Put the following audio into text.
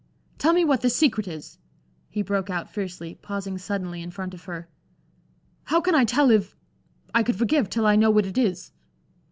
"Tell me what this secret is?" he broke out, fiercely, pausing suddenly in front of her. "How can I tell if I could forgive, till I know what it is?"